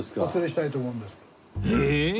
えっ！